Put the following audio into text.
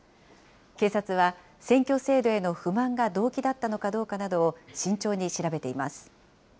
警察は、選挙制度への不満が動機だったのかどうかなどを、慎重に調べています。